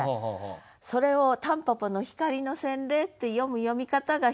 それを「たんぽぽの光の洗礼」って読む読み方が１つ。